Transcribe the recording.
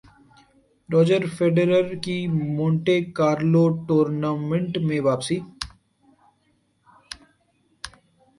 Roger Federer کی Monte Carlo tournament میں واپسی